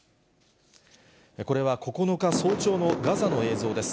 これは９日早朝のガザの映像です。